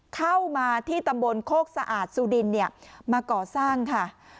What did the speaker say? เข้ามาที่ตำบลโคกสะอาดซูดินมาก่อสร้างค่ะ